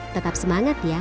tetap semangat ya